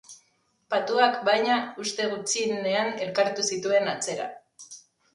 Patuak, baina, uste gutxienean elkartu zituen atzera.